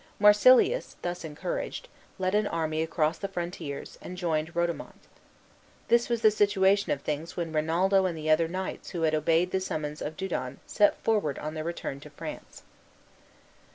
Marsilius, thus encouraged, led an army across the frontiers, and joined Rodomont. This was the situation of things when Rinaldo and the other knights who had obeyed the summons of Dudon set forward on their return to France.